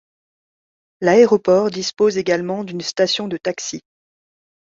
L'aéroport dispose également d'une station de taxi.